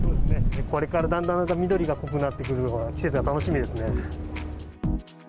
これからだんだん、緑が濃くなってくるので、季節が楽しみですね。